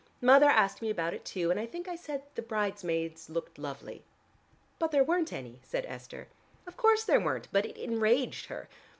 Mother asked me about it, too, and I think I said the bridesmaids looked lovely." "But there weren't any," said Esther. "Of course there weren't, but it enraged her.